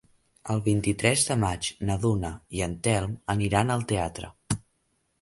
El vint-i-tres de maig na Duna i en Telm aniran al teatre.